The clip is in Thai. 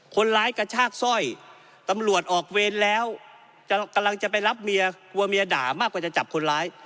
กระชากสร้อยตำรวจออกเวรแล้วกำลังจะไปรับเมียกลัวเมียด่ามากกว่าจะจับคนร้าย